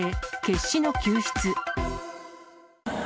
決死の救出。